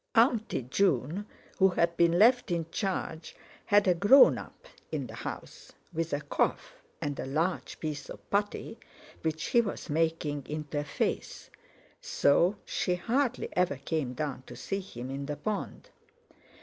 "Auntie" June, who had been left in charge, had a "grown up" in the house, with a cough and a large piece of putty which he was making into a face; so she hardly ever came down to see him in the pond.